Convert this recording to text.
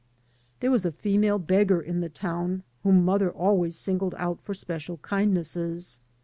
There was a female beggar in the town whom mother always singled out for special kindnesses.